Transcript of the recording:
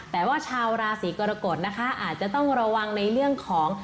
แต่ว่าชาวราศีกรกฎนะคะอาจจะต้องระวังในเรื่องของ